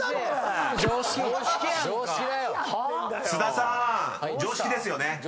［菅田さん常識ですよね］